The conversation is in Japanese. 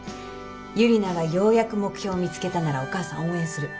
ユリナがようやく目標見つけたならお母さん応援する。